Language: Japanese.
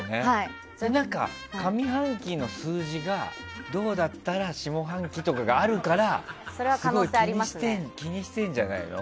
上半期の数字がどうだったら下半期とかがあるからすごい気にしてるんじゃないの？